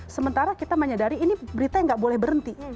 sementara kita menyadari ini berita yang nggak boleh berhenti